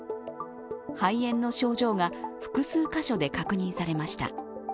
肺炎の症状が複数箇所で確認されました。